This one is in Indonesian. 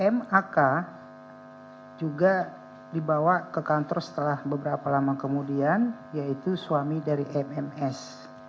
mak juga dibawa ke kantor setelah beberapa lama kemudian yaitu suami dari mms